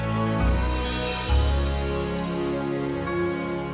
sumpah gue nggak mau di borgo